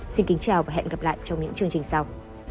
xin kính chào và hẹn gặp lại trong những chương trình sau